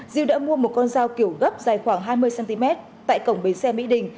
diêu đã mua một con dao kiểu gấp dài khoảng hai mươi cm tại cổng bến xe mỹ đình